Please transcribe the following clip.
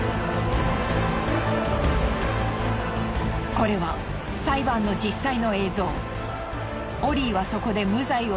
これは裁判の実際の映像。